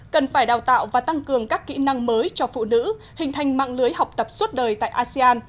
cần phải đào tạo và tăng cường các kỹ năng mới cho phụ nữ hình thành mạng lưới học tập suốt đời tại asean